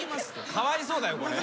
かわいそうだよこれ。